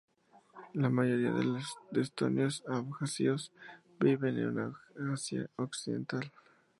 La mayoría de los estonios abjasios viven en Abjasia occidental.